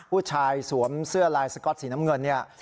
สวมเสื้อลายสก๊อตสีน้ำเงินเนี่ย